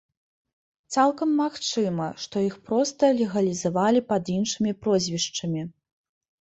Цалкам магчыма, што іх проста легалізавалі пад іншымі прозвішчамі.